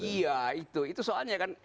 iya itu soalnya kan